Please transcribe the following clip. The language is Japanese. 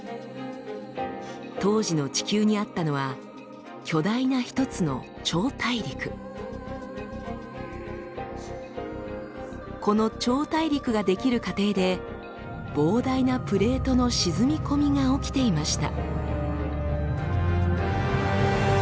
当時の地球にあったのは巨大な一つのこの超大陸が出来る過程で膨大なプレートの沈み込みが起きていました。